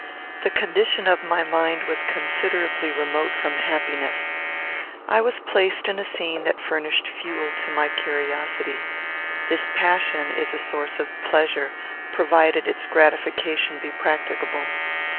The condition of my mind was considerably remote from happiness. I was placed in a scene that furnished fuel to my curiosity. This passion is a source of pleasure, provided its gratification be practicable.